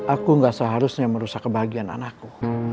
aku gak seharusnya merusak kebahagiaan anakku